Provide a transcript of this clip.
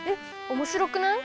おもしろくない？